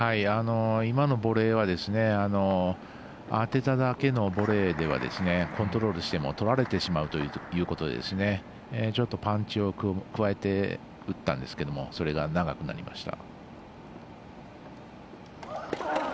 今のボレーは当てただけのボレーではコントロールしてもとられてしまうということでちょっとパンチを加えて打ったんですけれどもそれが長くなりました。